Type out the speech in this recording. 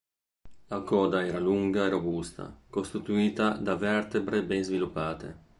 La coda era lunga e robusta, costituita da vertebre ben sviluppate.